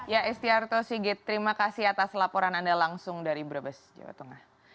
ya estiarto sigit terima kasih atas laporan anda langsung dari brebes jawa tengah